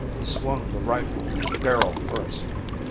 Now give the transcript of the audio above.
He swung the rifle, barrel first.